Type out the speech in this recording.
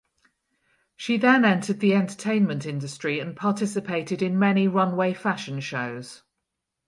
She then entered the entertainment industry and participated in many runway fashion shows.